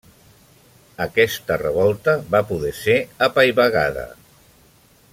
Aquesta revolta va poder ser apaivagada.